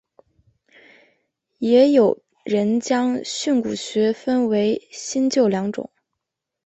也有人将训诂学分为新旧两种。